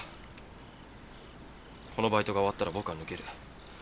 このバイトが終わったら僕は抜ける。